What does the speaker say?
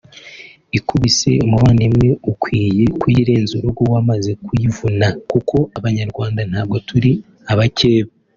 ikubise umuvandimwe ukwiye kuyirenza urugo wamaze kuyivuna kuko Abanyarwanda ntabwo turi abakeba